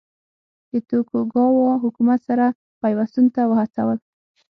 د توکوګاوا حکومت سره پیوستون ته وهڅول.